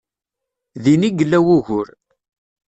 Din i yella wugur.